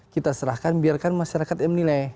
kita serahkan biarkan masyarakat yang menilai